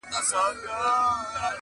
o بخت و شنې٫